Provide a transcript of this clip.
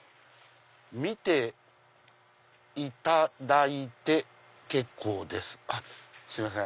「見ていただいてけっこうです」あっすいません。